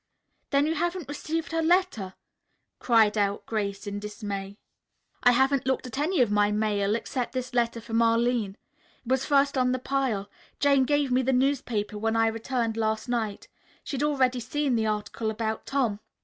"Then you haven't received her letter!" Grace cried out in dismay. "I haven't looked at any of my mail, except this letter from Arline. It was first on the pile. Jane gave me the newspaper when I returned last night. She had already seen the article about Tom.